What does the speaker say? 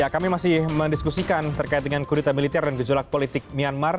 kami masih mendiskusikan terkait dengan kurita militer dan gejolak politik myanmar